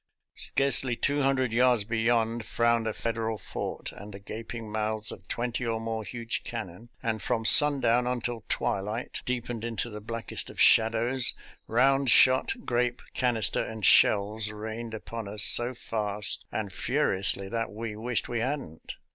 Scarcely two hundred yards beyond frowned a Federal fort, and the gaping mouths of twenty or more huge cannon, and from sundown until twilight deep ened into, the blackest of darkness, round shot, grape, canister, and shells rained upon us so fast and furiously that " we wished we hadn't."